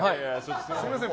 すみません。